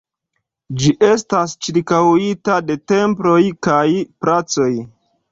Ĝi estas ĉirkaŭita de temploj kaj placoj.